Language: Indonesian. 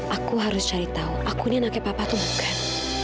aku harus cari tahu aku ini anaknya papa tuh bukan